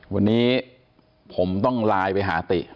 วันนี้ผมต้องไลน์ไปหาติ